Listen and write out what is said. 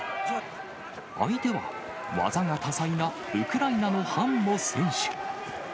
相手は技が多彩なウクライナのハンモ選手。